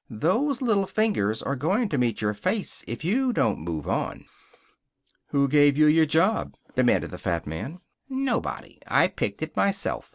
"Those little fingers are going to meet your face if you don't move on." "Who gave you your job?" demanded the fat man. "Nobody. I picked it myself.